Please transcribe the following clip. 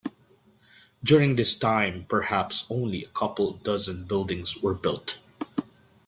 During this time perhaps only a couple dozen buildings were built.